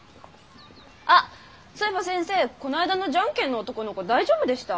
あっそういえば先生この間の「ジャンケン」の男の子大丈夫でした？